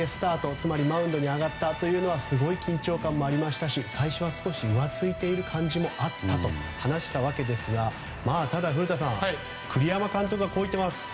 つまりマウンドに上がったのはすごい緊張感もありましたし最初は少し浮ついている感じもあったと話したわけですがただ古田さん栗山監督はこう言っています。